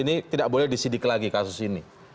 ini tidak boleh disidik lagi kasus ini